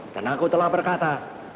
dan aku telah berkata